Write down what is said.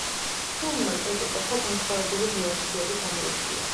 ფილმმა კრიტიკოსთა განსხვავებული რეაქციები გამოიწვია.